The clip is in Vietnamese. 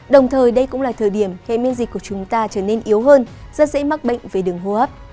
đồng thời đây cũng là thời điểm hệ miễn dịch của chúng ta trở nên yếu hơn rất dễ mắc bệnh về đường hô hấp